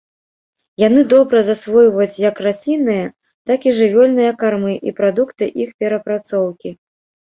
Яны добра засвойваюць як раслінныя, так і жывёльныя кармы і прадукты іх перапрацоўкі.